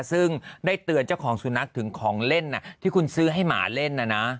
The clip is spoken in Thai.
ซึ่งได้เตือนเจ้าของสุนัขถึงของเล่นที่คุณซื้อให้หมาเล่นนะนะ